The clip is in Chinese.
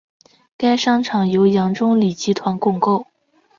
该商场由杨忠礼集团共构。